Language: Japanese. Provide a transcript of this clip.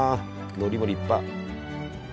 のりも立派。